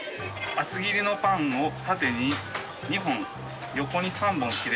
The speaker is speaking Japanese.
厚切りのパンを縦に２本横に３本切れ目を入れます。